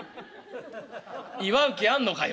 「祝う気あんのかい？